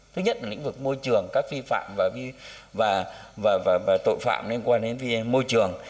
thứ nhất là lĩnh vực môi trường các vi phạm và tội phạm liên quan đến môi trường